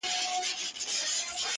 اوښ په خپلو بولو کي گوډېږي.